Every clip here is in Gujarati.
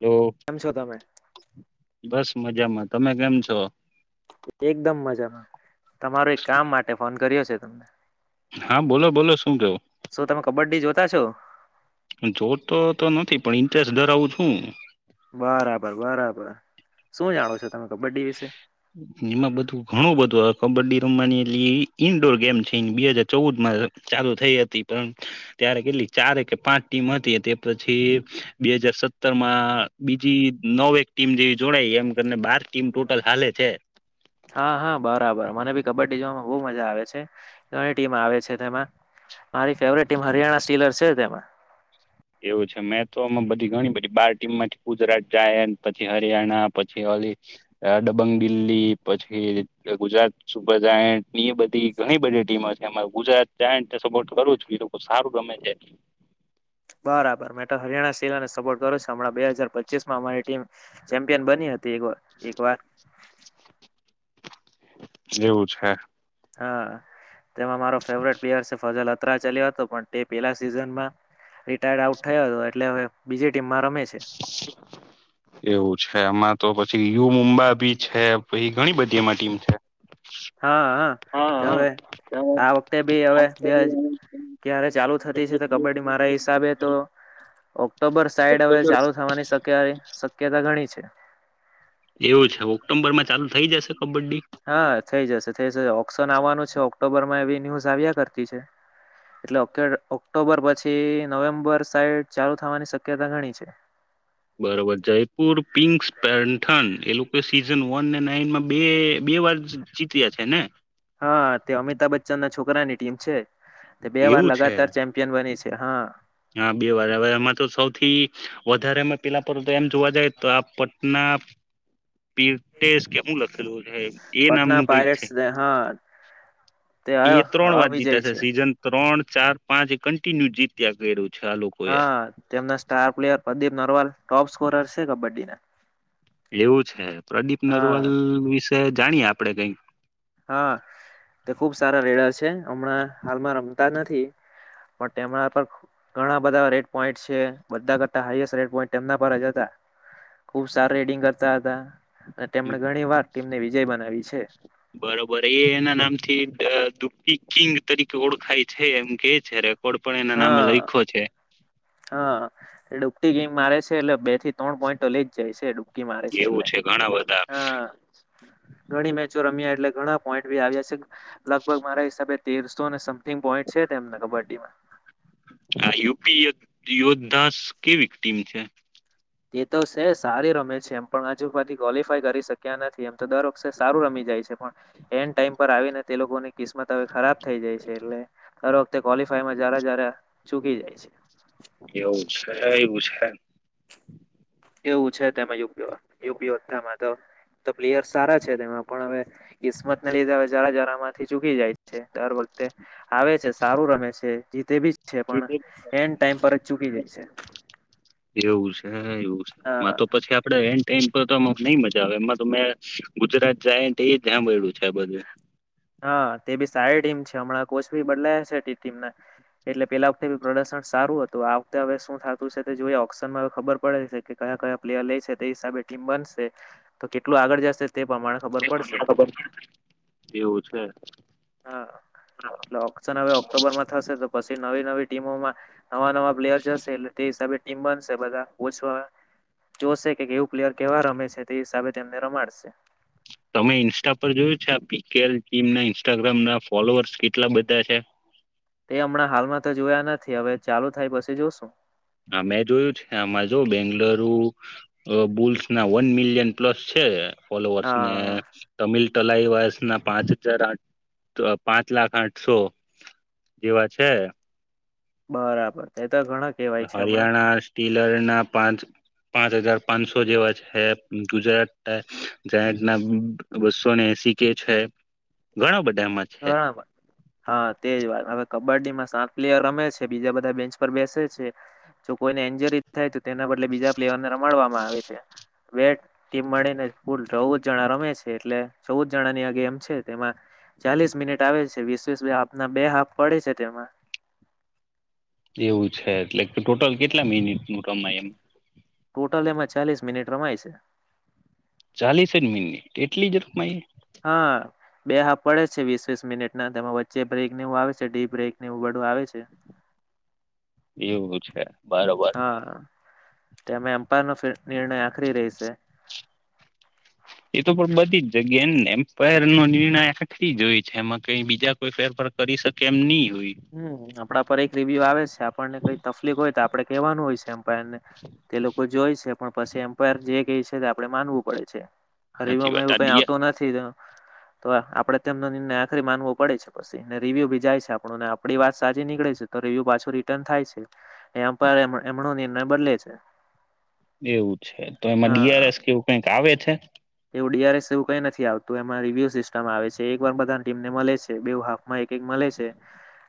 હલો કેમ છો તમે? બસ મજામાં તમે કેમ છો? એકદમ મજામાં. તમારો એક કામ માટે ફોન કર્યો છે. તને [unintelligible] હા બોલો બોલો શું થયું? શું તમે કબડ્ડી જોતા છો? જોતો તો નથી પણ ઇન્ટરેસ્ટ ધરાવું છું. બરાબર બરાબર શું જાણો છો? તમે કબડ્ડી વિશે એમાં બધું ઘણું બધું આવે. કબડ્ડી રમવાની એલી ઈન્ડોર ગેમ છે બે હાજર ચૌદ માં ચાલુ થઈ હતી, પણ ત્યારે કેટલી ચારે કે પાંચ ટીમ હતી તે પછી બે હાજર સત્તર માં બીજી નવે ટીમ જેવી જોડાય એમ કરીને બાર હાલે છે હા હા બરાબર. મને ભી કબડ્ડી જોવામાં બહુ મજા આવે છે, ઘણી ટીમ આવે છે તેમાં. મારી ફેવરેટ ટીમ હરિયાણા સીલર છે જ. અમાં. એવું છે મેં તોમાં બધી ઘણી બધી બાર ટીમ માંથી ગુજરાત જાયન્ટ પછી હરિયાણા પછી ઓલી ડબંગ દિલ્હી પછી ગુજરાત સુપર જાયન્ટ એ બધી ઘણી બધી ટીમો છે ગુજરાત જયંતને સપોર્ટ કરવોએ લોકો સારું રમે છે. મે હરિયાણા શલાને સપોર્ટ કરો છ, હમણાં બે હજાર પચીસ માં અમારી ટીમ ચેમ્પિયન બની હતી વાર. જેવું છે હા તેમાં મારો ફેવરેટ પ્લેયર છે ફજલ ચાલ્યો હતો પણ તે પેલા સિઝન માં રિટાયર્ડ આઉટ થયો હતો એટલે હવે બીજી ટીમ માં રમે છે એવું છે એમાં તો પછી યુ મુંબા બી છે, પછી ઘણી બધી એમાં ટીમ છે હા હા હા હા હવે આ વખતે બી હવે બે ક્યારે ચાલુ થતી છે કબડ્ડી મારા હિસાબે તો ઓક્ટોબર સાઈડ હવે ચાલુ થવાની શક શક્યતા ઘણી છે એવું છે ઓક્ટો્બર માં ચાલુ થઈ જશે કબડ્ડી હા, થઈ જશે, થઈ જશે ઓક્શન આવવાનું છે ઓક્ટોબર માં એવી ન્યૂઝ આવ્યા કરતી છે, એટલે ઓક્ટોબર પછી નવેમ્બર સાઈડ ચાલુ થવાની શક્યતા ગણી છે બરોબર, જયપુર પિંકસ પેથન એ સીઝન, વન ને નાઈન માં બે બે વાર જીત્યા છે ને હા, તે અમિતાભ બચ્ચન ના છોકરાની ટીમ છે તે બે વાર એવું છે લગાતાર ચેમ્પિયન બની છે હા હા, બે વાર હવે એમાં તો સૌથી વધારે અમે પેલા પર એમ જોવા જાય તો આ પટના પીર્ટેેશ કે હું લખેલું છે, એ પટના નામનું કંઈક છે પાયરેટ્સ હા તે એ ત્રણ વાર જીતા છે સીઝન ત્રણ ચાર, પાંચ એ કન્ટિન્યુ જીત્યા કર્યું છે આ લોકોએ હા, તેમના star player Pradeep Narwal, top score છે કબડ્ડી ના એવું છે પ્રદીપ નરવલ વિશ તે જાણીએ આપડે કઈક હા, તે ખુબ સારા રેડા છે હમણાં હાલમાં રમતા નથી પણ તેમા પર ઘણા બધા રેટ પોઇન્ટ છે, બધા કરતા હાઈએસ્ટ રેટ પોઇન્ટ તેમના પર જ હતા, ખુબ સારા રેટિંગ કરતા હતા તેમણે ઘણી વાર ટીમને વિજય બનાવી છે વરે એ એના નામથી અ દુપકીકિંગ તરીકે ઓળખાય છે એમ કે છે કોડ પણ એના નામે હા લઈખો છે હા, એ ડૂબટી ગેમ મારે છે એટલે બે થી ત્રણ પોઈન્ટો લઈ જ જાય છે ડૂબટી મારે છે એવું એટલે, ઘણા બધા હ, ઘણી મેચો રમ્યા એટલે ઘણા પોઈન્ટ ભી આવ્યા છે લગભગ મારા હિસાબે તેરસો અને સમથિંગ પોઈન્ટ છે તેમના કબડ્ડીમા આ યુપી યોધદાસ કેવી ટીમ છે તે તો સે સારી રમે છે એમ પણ હજુબાથી ક્વોલિફાય કરી શક્યા નથી, એમ તો દર વખષે સારું રમી જાય છે, પણ એન્ડ ટાઈમ પર આવીને તે લોકોને કિસ્મત હવે ખરાબ થઈ જાય છે એટલે દર વખતે ક્વોલિફાઈમાં જ્યારે જ્યારે ચૂકી જાય છે એવું છે, એવું છે એવું છે તેમાં યુપી, યુપીધામાં તો તો પ્લેયર સારા છે તેમાં પણ હવે કિસ્મતને લીધે હવે જાર જારામાંથી ચૂકી જાય છે દર વખતે આવે છે સારું રમે છે જીતે બી છે પણ એવું એન્ડ ટાઈમ પર જ ચૂકી જાય છે એવું છે હ, એવું છે, માં હા તો પછી આપડે એન્ડ તો તો મોક્ષ નહી મજા આવે એમાં તો મે ગુજરાત જાય [unintelligible] હાભળ્યું છે આ બધું હા, તે બી સારી ટીમ છે હમણાં કોચ બી બદલાયા છે તે ટીમના એટલે પેલા વખતે બી પ્રદર્શન સારું હતું આ વખતે હવે શું થાતું સે તે જોઈ ઓક્શનમાં ખબર પડે છે કે કયા કયા પ્લેયર લે છે તે હિસાબે ટીમ બનશે તો કેટલું આગળ જશે તે પ્રમાણે ખબર એવું પડશે છે હા, એટલે ઓક્શન હવે ઓક્ટોબરમાં થશે તો પછી નવી નવી ટીમોમા નવા, નવા પ્લેયર જશે એટલે તે હિસાબે ટીમ બનશે બધા ઓસવા જોશે કે કેવું પ્લેયર કેવા રમે છે તે હિસાબે તેમને રમાડશે તમે ઇન્સ્ટા પર જોયું છે આ પીકેએલ ટીમ ના ઇન્સ્ટાગ્રામ ના ફોલોઅર્સ કેટલા બધા છે તે હમણાં હાલમાં તો જોયા નથી હવે ચાલુ થાય પછી જોશું હા, મેં જોયું છે આમાં જો બેંગ્લો લર બુલ્સ ના વન મિલિયન પ્લસ છે ફોલોઅર્સ ને હા તમિલ ટલાઈ વર્ષ ના પાંચ હજાર આઠ, પાંચ લાખ આઠસો એવા છે બરાબર તો ઘણા કહેવાય છે હમણાં હરિયાણા સ્ટીલર ના પાંચ પાંચ હજાર પાંચસો જેવા છે ગુજરાત, ના બસોને એસી કે છે ઘણા બધા ઘણાબર હા, તેજ વાત હવે કબડ્ડી માં સાત પ્લેયર રમે છે બીજા બધા બેન્ચ પર બેસે છે, જો કોઈને ન્જરી થાય તો તેના બદલે બીજા્યર ને રડવા ટ મળીને ફુલ ચૌદ જણા રમે છે એટલે ચૌદ જણાની આ ગેમ છે તેમાં ચાલીસ મિનિટ આવે છે વીસ વસ બે હાફના બે હાફ પડે છે તેમાં. એવું છે એટલે કે ટોટલ કેટલા મિનિટ નું રમાય એમ? ટોટલ એમાં ચાલીસ મિનિટ રમાય છે. ચાલીસ જ મિનિટ એટલી જ રમાએ? હા બે હા પડે છે વીસ વીસ મિનિટ ના તેમાં વચ્ચે બ્રેક એવું આવે છે ડીબ્રેક વું બડું આવે છે. એવું છે બરોબર. હા તેમાં એમ્પાયરનો નિર્ણય આખરી રહેશે. એ તો પણ બધી જગ્યાને એમ્પાયર નો નિર્ણય જોય છે એમાં કઈ બીજા કોઈ ફેરફાર કરી શકે એમ નહી. હોય હમ આપણા પર એક રિવ્યૂ આવે છે. આપણને કઈ તકલીફ હોય તો આપણે કહેવાનું હોય છે. અમ્પાયર ને, તે લોકો જોય છે. પણ પછી એમ્પાયર જે કઈ છે આપડે માનવું પડે છે. અરે સાચી એમાં વાત એવું આ કઈ ડીઆર આટો નથી. તો આપડે તેમનો નિર્ણય આખરી માનવો પડે છે પછી ને રિવ્યુ ભી જાય છે આપણું ને આપણી વાત સાચી નીકળે છે તો રિવ્યુ પાછો રિટર્ન થાય છે. એમ પણ એમ બદલે છે. એવું છે તો એમાં ડી આર હા એસ કેવું કઈક આવે અચ છે? એવું ડીઆરએસ એવું કઈ નથી આવતું એમાં રિવ્યુ સિસ્ટમ આવે છે એક વાર બધાની ટીમને મળે છે બેવ હાફ. માં એક એક મળે છે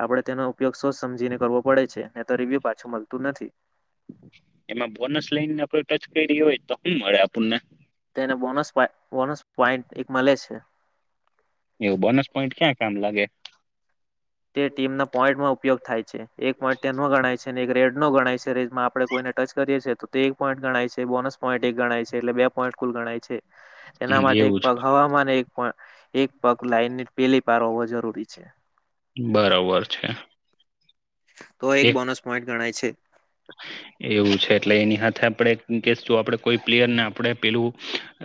આપડે તેનો ઉપયોગ સોચ સમજીને કરવો પડે છે. નહી તો રિવ્યુ પાછું મળતું નથી. એમાં બોનસ લઈનેને આપડે ટચ કરી રહ્યા હોય. તો શું મળે આપણને? બોનસ પા બોનસ પોઈન્ટ એક મળે છે. એવું બોનસ પોઈન્ટ ક્યાં કામ લાગે? તે ટીમના પોઈન્ટમાં ઉપયોગ થાય છે. એક પોઈન્ટ તેનો ગણાય છે. અને એક રેડ નો ગણાય છે. રેડ માં આપણે કોઈને ટચ કરીએ છીએ તો તે એક પોઈન્ટ ગણાય છે. બોનસ પોઈન્ટ એક ગણાય છે. એટલે બે પોઈન્ટ કુલ ગણાય છે. એના હમ માટે એક એવું છે પગ હવા માં, ને એક એક પગ લાઈનની પેલી પાર હોવો જરૂરી છે. બરોબર છે. તો એક બોનસ પોઈન્ટ ગણાય છે. એવું છે. એટલે એની હાથે આપણેે કેશું આપડે કોઈ પ્લેયરને આપડે પેલું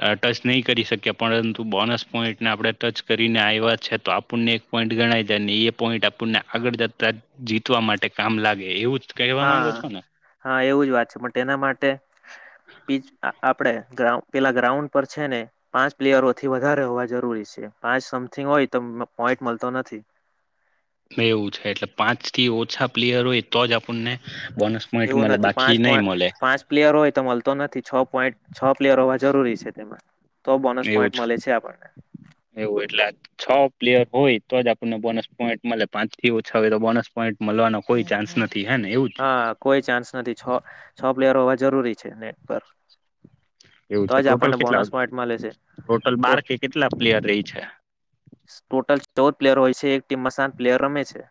આ ટચ નહી કરી શકીએ. પરંતુ બોનસ પોઈન્ટને આપણે ટચ કરીને આવ્યા છે તો આપણને એક પોઈન્ટ ગણાય જાય. ને એ પોઈન્ટ આપણને આગળ જતા જીતવા માટે કામ લાગે. એવુંજ કહેવા માંગો? હા હા એવું જ વાત છે, પણ તેના માટે બીજ આપડે ગ્રાઉ પેલા ગ્રાઉન્ડ પર છે ને પાંચ પ્લેયરો થી વધારે હોવા જો હોઈ શે. પાંચ સમથિંગ હોય તો પોઈન્ટ મળતો નથી. કે એવું છે. એટલે પાંચ થી ઓછા પ્લેયર હોય તો જ આપણને બોનસ પોઈન્ટ એવું મળે નથી પાંચ બાકી પો નહી મળે પાંચ પ્લેયર હોય તો મળતો નથી. છ પોઈન્ટ છ પ્લેયર હોય જરૂરી છે તેમાં તો બોનસ એવું પોઈન્ટ છુ. મળે છે આપણને એવું એટલે આ છ પ્લેયર હોય તો જ આપણને બોનસ પોઈન્ટ મળે. પાંચ થી ઓછા હોય તો બોનસ પોઈન્ટ મળવાનો કોઈ ચાન્સ નથ હા કોઈ ચાન્સ નથી. છ છ પ્લેયર હોવા જરૂરી છે નેટ પર એવું તો છે. જ ટોટલ આપણને કેટલા, બોનસ પોઈન્ટ મળે છે ટોટલ તો બાર કે કેટલા પ્લેયર રે છે? ટોટલ ચૌદ પ્લેયર હોય છે. એક ટીમમાં સાત પ્લેયર રમે છે.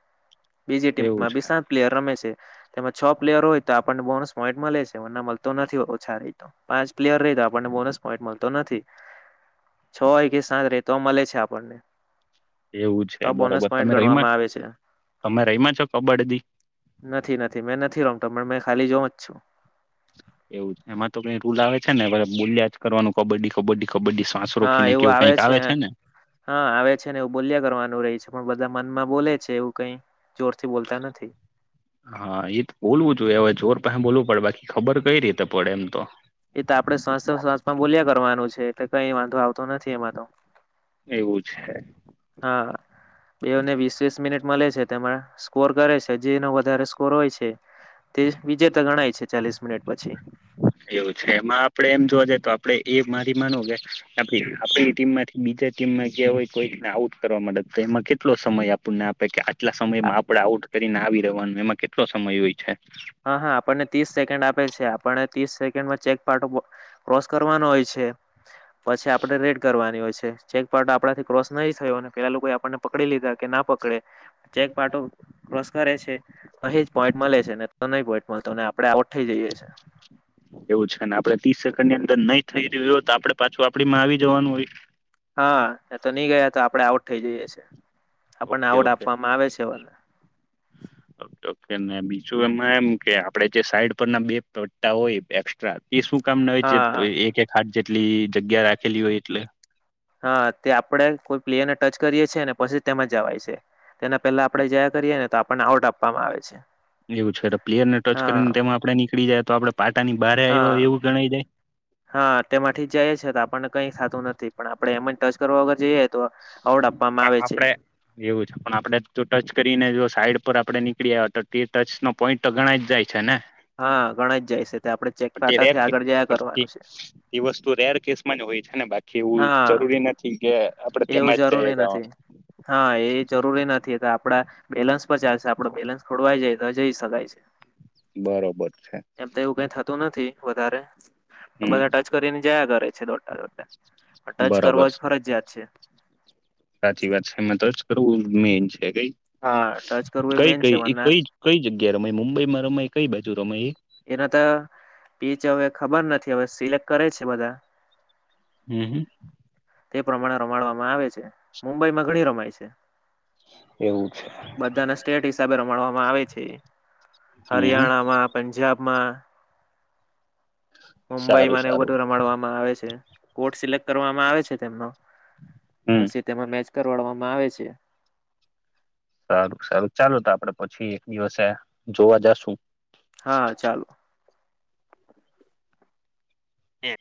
બીજી એવું ટીમમાં બી છે. સાત પ્લેયર રમે છે. તેમાં છ પ્લેયર હોય તો આપણને બોનસ પોઈટ મળે છે. વરના મળતો નથી ઓછા રહે તો. પાંચ પ્લેયર રે તો આપણને બોનસ પોઈટ મળતો નથી. છ હોય કે સાત રે તો મળે છે આપણને. એવું છે. તો બોનસ બરોબર પોઈન્ટ તમે રહીમાં? ગણવામાં આવે છે તમે રહીમાં છો કબ્બડદી? તમે મે ખાલી જોહુ જ છું એવું એમાં તો કઈ રૂલ આવે છે ને બોલ્યા જ કરવાનું કબડ્ડી કબડ્ડી કબડ્ડી શ્વાસ હા રોકીને એવું કેવું આવે કઈક છે ને હા આવે છે ને એવું બોલ્યા કરવાનું રહી છે પણ બધા મનમાં બોલે છે એવું કઈ જોરથી બોલતા નથી હા એ બોલવું જોઈ હવે જોર પછ બોલવું પડે બાકી ખબર કઈ રીતે પડે એમ તો એ તો આપડે શ્વાસ શ્વાસ માં બોલ્યા કરવાનું છે એટલે કઈ વાંધો આવતો નથી એમાં તો એવું છે હા તેઓને વીસ વીસસ મિનિટ મળે છે તેમાં સ્કોર કરે છે જેનો વધારે સ્કોર હોય છે તે વિજેતા ગણાય છે ચાલીસ મિનિટ પછી એવું છે એમાં આપણેે એમ જોવા જઈએ તો આપણેે એ મારી માનો કે આપણી ટીમમાંથી બીજા ટીમમાં ગયા હોય કોઈકનિ આઉટ કરવા માટેે તો એમાં કેટલો સમય આપણને આપે કે આટલા સમયમાં આપડ આઉટ કરીને આવી રવાનો એમાં કેટલો સમય હોય છે હા હા આપણને ત્રીસ સેકન્ડ આપે છે આપણને ત્રીસ સેકન્ડમાં ચેક પાર્ટો ક્રોસ કરવાનો હોય છે પછી આપડણે રેડ કરવાની હોય છે તે ચેક આપણાથી ક્રોસ ન થયો અને પેલા લોકોએ આપણને પકડી લીધા કે ના પકડે ચેક પાટો ક્રોસ કરે છે અહી જ પોઈન્ટ મળે છે ને તો નહી બોઈડ મળતો નેઆપડે આઉટ થઇ જઈેયે છે એવું છે ને આપડે ત્રીસ સેકન્ડ ની અંદર નઈ થઈ રહ્યું હોય તો આપડે પાછું આપડી માં આવી જવાનું હોય હા એ તો નહી ગયા તો આપડે આઉટ થઈ જઈએ છે આપણને આવોડ આપવામાં આવે છે તો કે ને બીજું એમાં એમ કે આપડે જે સાઈડ પર ના બે પટ્ટા હોય એ શું કામ ના હોય છે હા એક એક હાટ જેટલી જગ્યા રાખી ખેલીયો એટલે હા તે આપડે કોઈ પ્લેયર ને ટચ કરીએ છીએ ને પછી તેમા જવાય છે તેના પેલા આપણેે જયા કરીએ ને તો આપણે પણ આઉટ આપવામાં આવે છે એવું છે પ્લેયર ને ટચ હા કરીને તેમાં આપણે નીકળી જાય તો આપડણે પાટાની બહારે હા આવ એવું જણાય જાય હા તેમાંથી જઈએ છે તો આપણને કઈ થતું નથી પણ આપણે એમ ટચ કરો અગર જઈ એ તો આઉટ આપવામાં પણ આવે છે આપડે એવું છે પણ આપડે તો ટચ કરીને જો સાઈડ પર આપડે નીકળ્યા હતા તે ટચ નો પોઈન્ટ ગણાઈજ જાય છે ને હા ગણાય જ જાય છે તે આપણે ચેક પી ર પાટાથી આગળ જયા પ કરવાનું છે વસ્તુ રેર કે [unintelligible] કેવું હા જરૂરી નથી કે આપડે એવું તેમાં જ જઈએ જરૂરી નથી, હા એ જરૂરી નથી કે આપડા બેલેન્સ પર ચાલશે આપડ બેલેન્સ ખોડવાય જાય તો જઈ શકાય છે. બરોબર છે એમ તો એવું કઈ થતું નથી. વધારે. બધા હમ ટચ કરીને જયા કરે. છે, દોડતા દોડતા. ટચ બરોબર કરવા જ છે ફરજિયાત છે. સાચી વાત છેમાં તો જ કરવું મેઇન છે. ક હા ટચ કરવું કઈ મેન છે કઈ એ વરના કઈ કઈ જગ્યા રમાય મુંબઈમાં રમાય કઈ બાજુ રમાયે? એના તો પીચ હવે ખબર નથી હવે સિલેક્ટ કરે છે બધા. હમ હ. તે પ્રમાણે રમાડવામાં આવે છે, મુંબઈમાં ઘણી રમાય છે. એવું છે બધાને સ્ટેટ હિસાબે રમાવામાં આવે છે, હમ હમ હરિયાણામાં પંજાબ. માં. સારું મુંબઈમાંને એવું સારું બધું રમાડવામાં આવે છે. કોર્ટ સિલેક્ટ કરવામાં આવે છે તેમનો. હમ પછી તેમાં મેચ કરડવામાં આવે છે. સારું સારું ચાલુ તો આપડે પછી એક દિવસે જોવા જશુ. હા ચાલો. એ